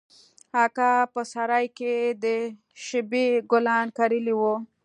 اکا په سراى کښې د شبۍ ګلان کرلي وو.